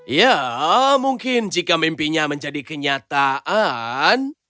ya mungkin jika mimpinya menjadi kenyataan